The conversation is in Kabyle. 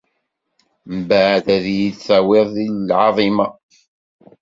Mbeɛd, ad iyi-tawiḍ di lɛaḍima.